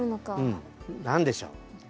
うん。何でしょう？